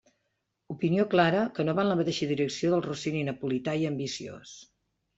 Opinió clara que no va en la mateixa direcció del Rossini napolità i ambiciós.